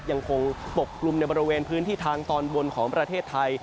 ยังคงปกกลุ่มในบริเวณพื้นที่ทางตอนบนของประเทศไทย